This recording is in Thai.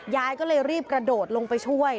ยายก็เลยรีบกระโดดลงไปช่วย